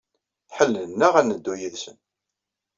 Ḥellelen-aɣ ad neddu yid-sen.